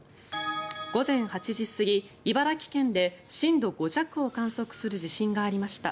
午前８時過ぎ、茨城県で震度５弱を観測する地震がありました。